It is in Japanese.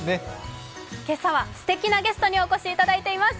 今朝はすてきなゲストにお越しいただいています。